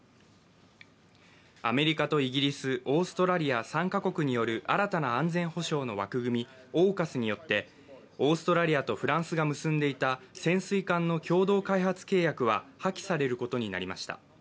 アメリカとイギリス、オーストラリア３カ国による新たな安全保障の枠組み・ＡＵＫＵＳによってオーストラリアとフランスが結んでいた潜水艦の共同開発契約は破棄されることになりました。